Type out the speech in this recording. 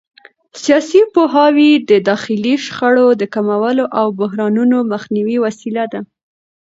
سیاسي پوهاوی د داخلي شخړو د کمولو او بحرانونو مخنیوي وسیله ده